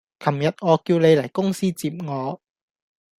琴日我叫你嚟公司接我